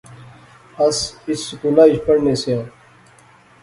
اس اس سکولا اچ پڑھنے آسے آں